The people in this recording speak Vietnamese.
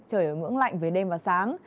trời ở ngưỡng lạnh về đêm và sáng